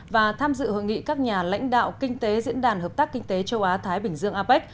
và tham dự hội nghị các nhà lãnh đạo kinh tế diễn đàn hợp tác kinh tế châu á thái bình dương apec